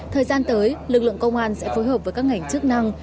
thời gian tới lực lượng công an sẽ phối hợp với các ngành chức năng